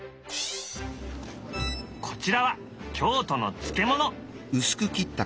こちらは京都の漬物。